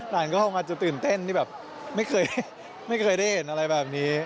หลานก็คงอาจจะตื่นเต้นที่แบบไม่เคยได้เห็นอะไรแบบนี้